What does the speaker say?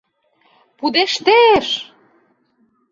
Пудештеш!..